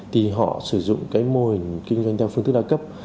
thì họ sử dụng cái mô hình kinh doanh theo phương thức đa cấp